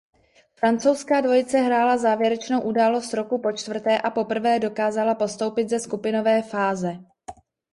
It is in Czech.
Francouzská dvojice hrála závěrečnou událost roku počtvrté a poprvé dokázala postoupit ze skupinové fáze.